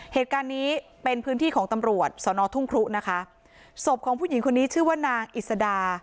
เหตุการณ์นี้เป็นพื้นที่ของตำรวจสอนอทุ่งครุนะคะศพของผู้หญิงคนนี้ชื่อว่านางอิสดา